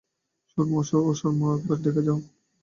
সুরমা, ও সুরমা, একবার দেখে যাও।